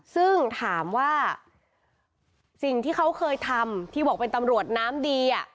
ซึ่งถามว่าสิ่งที่เขาเคยทำที่บอกเป็นตำรวจน้ำดี